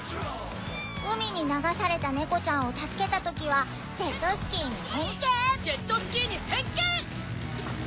海に流された猫ちゃんを助けたときはジェットスキーに変形ジェットスキー変形！